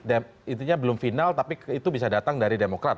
itu belum final tapi itu bisa datang dari demokrat